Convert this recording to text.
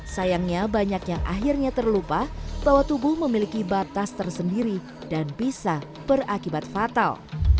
sayangnya banyak yang akhirnya terlupa bahwa tubuh memiliki batas tersendiri dan bisa berakibat fatal